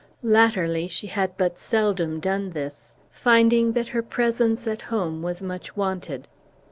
Latterly she had but seldom done this, finding that her presence at home was much wanted.